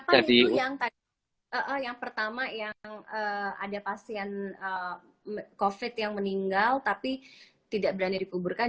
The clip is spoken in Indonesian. kapan itu yang pertama yang ada pasien covid yang meninggal tapi tidak berani dikuburkan